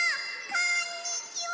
こんにちは！